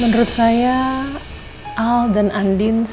menurut saya al dan andin terhadap rena mereka sangat dekat